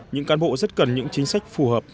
những cán bộ rất cần những chính sách phù hợp